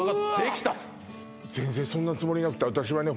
全然そんなつもりなくて私はね